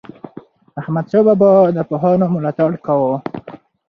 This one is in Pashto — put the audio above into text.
احمدشاه بابا د پوهانو ملاتړ کاوه.